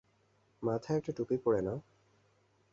মাথায় একটা টুপি পরে নাও।